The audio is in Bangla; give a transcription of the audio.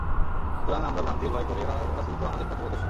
সুতরাং আমরা ভ্রান্তির ভয় করি আর রাসূল তো আমাদের পথপ্রদর্শক।